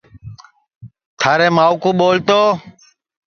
تھاری مائوں ٻول تو